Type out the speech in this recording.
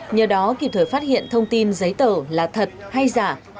nhờ đó kịp thời phát hiện thông tin giấy tờ là thật hay giả